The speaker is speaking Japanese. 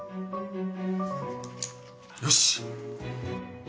よし。